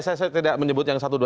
saya tidak menyebut yang satu dua